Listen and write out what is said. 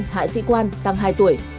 hạ sĩ quan tăng hai tuổi